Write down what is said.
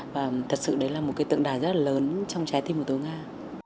và thật sự đấy là một cái tượng đài rất là lớn trong trái tim của tổng an